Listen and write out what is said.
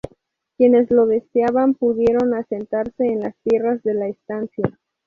Quienes lo deseaban pudieron asentarse en las tierras de la estancia.